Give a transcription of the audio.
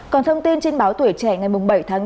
còn thông tin trên báo tuổi trẻ ngày bảy tháng bốn